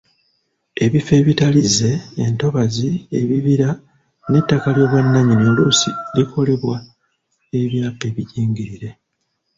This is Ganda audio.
Ebifo ebitalize, entobazi, ebibira n'ettaka ly'obwannannyini oluusi likolerwa ebyapa ebijingirire.